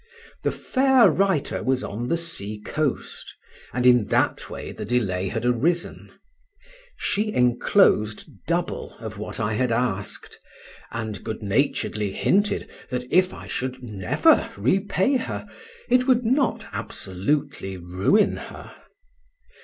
The fair writer was on the sea coast, and in that way the delay had arisen; she enclosed double of what I had asked, and good naturedly hinted that if I should never repay her, it would not absolutely ruin her.